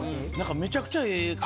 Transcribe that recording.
めちゃくちゃええ。